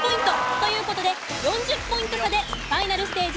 という事で４０ポイント差でファイナルステージ